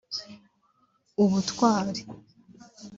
Ubutwali